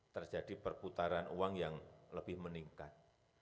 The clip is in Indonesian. terjadi perputaran uang yang lebih meningkat